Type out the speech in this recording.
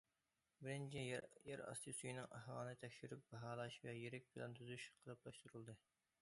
بىرىنچى، يەر ئاستى سۈيىنىڭ ئەھۋالىنى تەكشۈرۈپ باھالاش ۋە يىرىك پىلان تۈزۈش قېلىپلاشتۇرۇلدى.